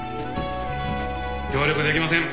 協力できません。